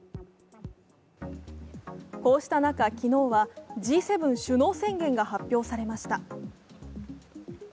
こうした中、昨日はＧ７首脳宣言が発表されました。